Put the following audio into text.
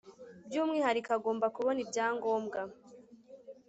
by umwihariko agomba kubona ibyangombwa